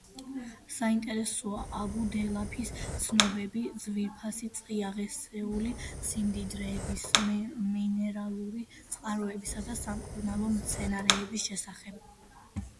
საინტერესოა აბუ დულაფის ცნობები ძვირფასი წიაღისეული სიმდიდრეების, მინერალური წყაროებისა და სამკურნალო მცენარეების შესახებ.